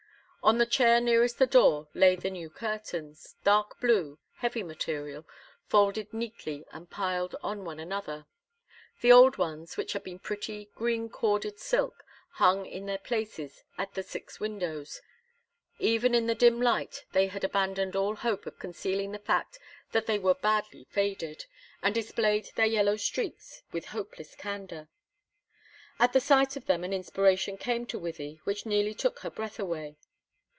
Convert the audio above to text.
On the chair nearest the door lay the new curtains, dark blue, heavy material, folded neatly and piled on one another. The old ones, which had been pretty, green corded silk, hung in their places at the six windows; even in the dim light they had abandoned all hope of concealing the fact that they were badly faded, and displayed their yellow streaks with hopeless candor. At the sight of them an inspiration came to Wythie which nearly took her breath away.